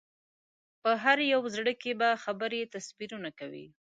په هر یو زړه کې به خبرې تصویرونه کوي